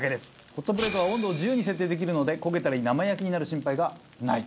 ホットプレートは温度を自由に設定できるので焦げたり生焼けになる心配がない。